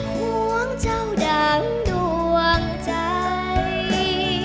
ห่วงเจ้าดังดวงใจ